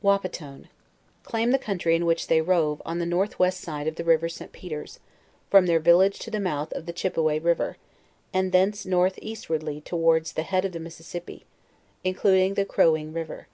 WAPATONE Claim the country in which they rove on the north west side of the river St. Peters, from their village to the mouth of the Chippeway river, and thence north eastwardly towards the head of the Mississippi, including the Crow wing river.